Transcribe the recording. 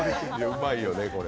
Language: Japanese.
うまいよね。